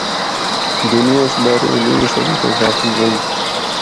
دُنیا اس بارے انیویں صدی تک غافل رہیی۔